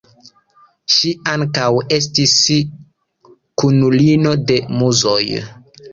Ŝi ankaŭ estis kunulino de Muzoj.